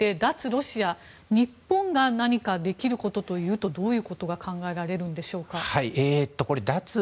ロシア日本が何かできることというとどういうことが考えられるんでしょうか。